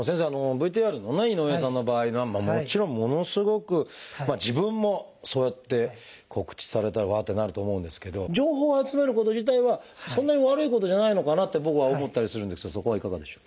ＶＴＲのね井上さんの場合はもちろんものすごく自分もそうやって告知されたらうわってなると思うんですけど情報を集めること自体はそんなに悪いことじゃないのかなって僕は思ったりするんですがそこはいかがでしょう？